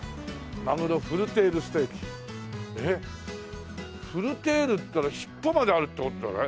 「まぐろフルテールステーキ」えっフルテールっていったら尻尾まであるって事じゃない？